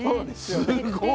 すごい。